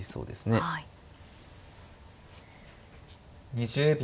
２０秒。